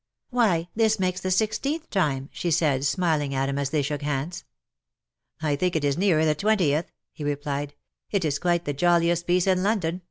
" Why this makes the sixteenth time," she said, smiling at him as they shook hands. " I think it is nearer the twentieth," he replied ;" it is quite the jolliest piece in London